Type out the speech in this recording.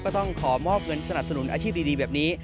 ต้องขอมอบเงินสนับสนุนอาชีพดีแบบนี้